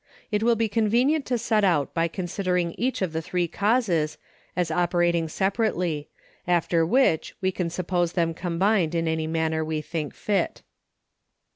It will be convenient to set out by considering each of the three causes, as operating separately; after which we can suppose them combined in any manner we think fit.